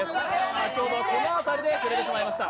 先ほどはこの辺りで触れてしまいました。